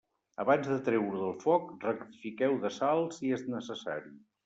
Abans de treure-ho del foc, rectifiqueu de sal si és necessari.